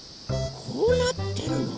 こうなってるの？